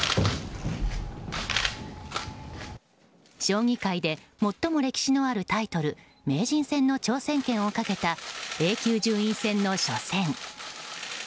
将棋界で最も歴史のあるタイトル名人戦の挑戦権をかけたＡ級順位戦の初戦。